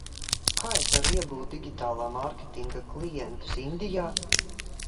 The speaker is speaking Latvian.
Kā es varu iegūt digitālā mārketinga klientus Indijā?